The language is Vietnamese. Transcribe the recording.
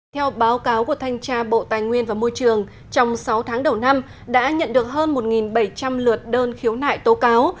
theo báo cáo của thanh tra bộ tài nguyên và môi trường trong sáu tháng đầu năm đã nhận được hơn một bảy trăm linh lượt đơn khiếu nại tố cáo